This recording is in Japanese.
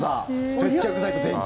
接着剤と電池。